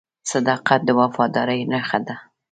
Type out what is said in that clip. • صداقت د وفادارۍ نښه ده.